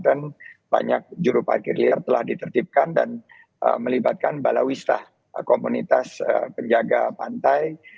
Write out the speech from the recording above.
itu di anyer di banten banyak juru parkir liar telah ditertipkan dan melibatkan balawisat komunitas penjaga pantai